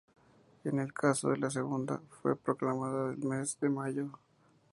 En el caso de la segunda, fue proclamada del mes de mayo.